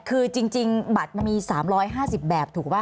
คือจริงบัตรมันมี๓๕๐แบบถูกป่ะ